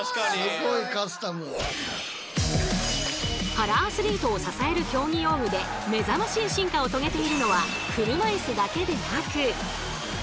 パラアスリートを支える競技用具でめざましい進化を遂げているのはそう！